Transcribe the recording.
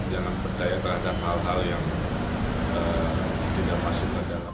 jangan percaya terhadap hal hal yang tidak masuk ke dalam